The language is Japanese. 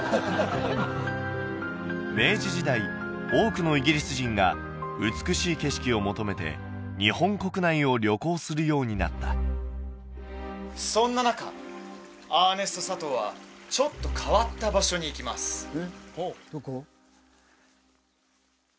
明治時代多くのイギリス人が美しい景色を求めて日本国内を旅行するようになったそんな中アーネスト・サトウはちょっと変わった場所に行きますですね